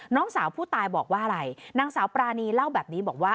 น้องสาวผู้ตายบอกว่าอะไรนางสาวปรานีเล่าแบบนี้บอกว่า